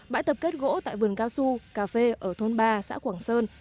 bãi tập kết gỗ tại vườn cao su cà phê ở thôn ba xã quảng sơn